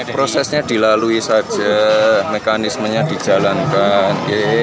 prosesnya dilalui saja mekanismenya dijalankan